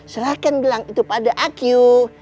silahkan bilang itu pada aq